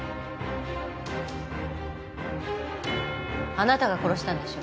あなたが殺したんでしょ？